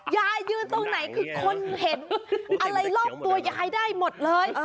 ยายยืนตรงไหนคือคนเห็นอะไรรอบตัวยายได้หมดเลย